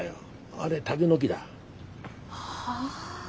あれ竹の木だ。ああ。